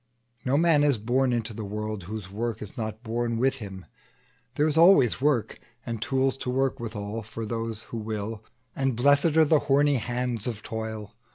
No man is born into the world, whose work Is not born with him; there is always work, And tools to work withal, for those who will; And blessèd are the horny hands of toil!